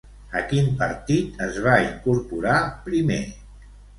A quin partit es va incorporar primer?